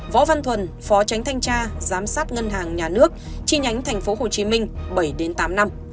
võ văn thuần phó tránh thanh tra giám sát ngân hàng nhà nước chi nhánh tp hcm bảy tám năm